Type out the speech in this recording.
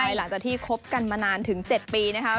หลังจากที่คบกันมานานถึง๗ปีนะคะ